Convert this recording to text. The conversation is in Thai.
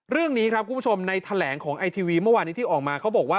เรื่องนี้ครับคุณผู้ชมในแถลงของไอทีวีเมื่อวานนี้ที่ออกมาเขาบอกว่า